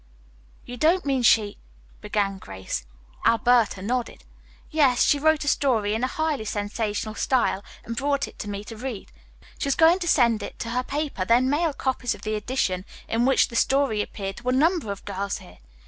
"You don't mean she " began Grace. Alberta nodded. "Yes, she wrote a story in a highly sensational style and brought it to me to read. She was going to send it to her paper, then mail copies of the edition in which the story appeared to a number of girls here.